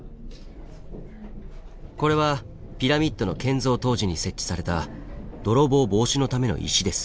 これはピラミッドの建造当時に設置された泥棒防止のための石です。